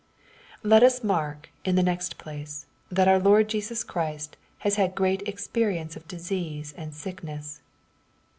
Let us mark, in the next place, that our Lord Jesus Christ has had great experience of disease and sickness.